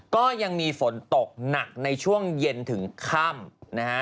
ก็ยังมีฝนตกหนักในช่วงเย็นถึงค่ำนะฮะ